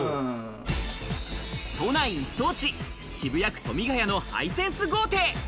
都内一等地、渋谷区富ヶ谷のハイセンス豪邸。